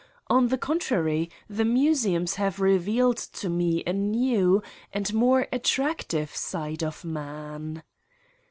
On the contrary, the museums have revealed to me a new and more attractive side of man.